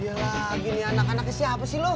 yalah gini anak anak kesia apa sih lo